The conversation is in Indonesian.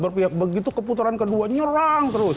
berpihak begitu keputaran kedua nyerang terus